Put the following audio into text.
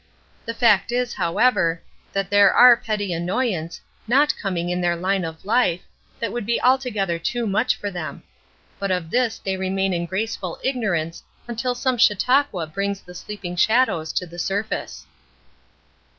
The fact is, however, that there are petty annoyance, not coming in their line of life, that would be altogether too much for them. But of this they remain in graceful ignorance until some Chautauqua brings the sleeping shadows to the surface.